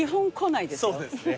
そうですね。